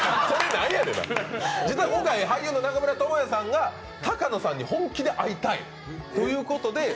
実は今回、俳優の中村倫也さんが高野さんに本気で会いたいということで。